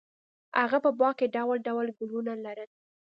هغه په باغ کې ډول ډول ګلونه لرل.